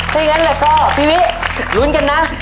เท่านั้นละก็พี่วิลุ้นกันนะ